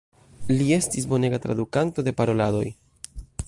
Li estis bonega tradukanto de paroladoj.